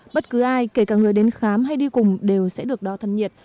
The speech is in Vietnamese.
bất cứ ai kể cả người đến khám hay đi cùng đều sẽ được đo thân nhiệt